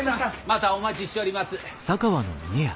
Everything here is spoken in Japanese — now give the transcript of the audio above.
またお待ちしちょります。